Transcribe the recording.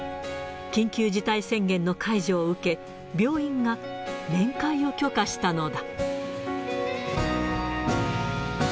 緊急事態宣言の解除を受け、病院が面会を許可したのだ。